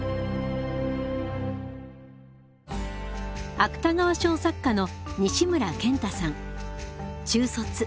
芥川賞作家の西村賢太さん。